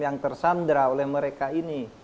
yang tersandra oleh mereka ini